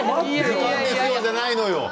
時間ですよ、じゃないの。